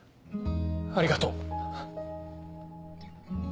ありがとう。